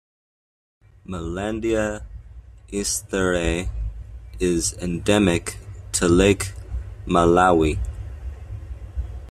"Maylandia estherae" is endemic to Lake Malawi.